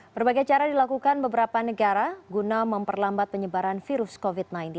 berbagai cara dilakukan beberapa negara guna memperlambat penyebaran virus covid sembilan belas